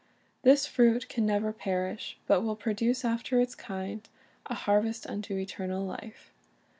'"' This fruit can never perish, but will produce after its kind a harvest unto eternal life.